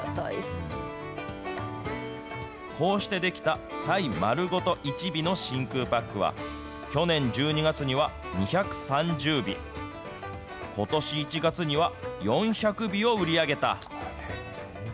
こうして出来たタイ丸ごと一尾の真空パックは、去年１２月には２３０尾、ことし１月には４００尾を売り上げた。